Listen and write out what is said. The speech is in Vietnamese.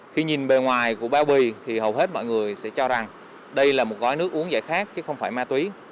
khi nhìn bề ngoài của bao bì thì hầu hết mọi người sẽ cho rằng đây là một gói nước uống giải khát chứ không phải ma túy